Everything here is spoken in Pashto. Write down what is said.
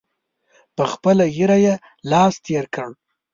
په خپله ږیره یې لاس تېر کړ.